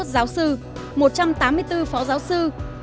hai mươi một giáo sư một trăm tám mươi bốn phó giáo sư